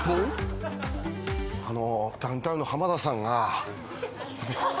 あの。